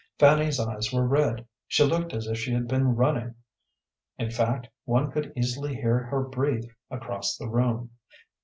Fanny's eyes were red. She looked as if she had been running in fact, one could easily hear her breathe across the room.